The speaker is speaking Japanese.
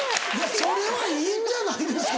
それはいいんじゃないですか？